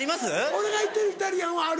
俺が行ってるイタリアンはある。